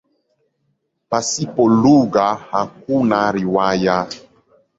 Pasipo lugha hakuna riwaya.